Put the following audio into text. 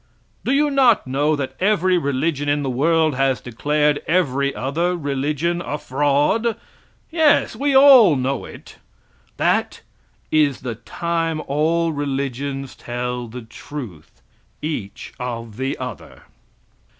Do you not know that every religion in the world has declared every other religion a fraud? Yes, we all know it. That is the time all religions tell the truth each of the other.